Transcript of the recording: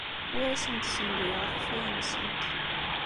Ur asent-ssenduyeɣ akeffay-nsent.